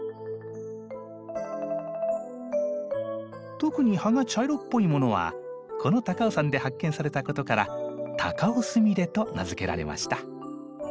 特に葉が茶色っぽいものはこの高尾山で発見されたことから「タカオスミレ」と名付けられました。